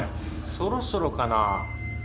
そろそろかな？